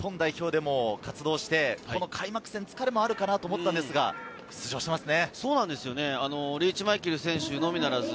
リーチ・マイケル選手、日本代表でも活動して、開幕戦は疲れもあるかなと思ったんですが、出場しますね。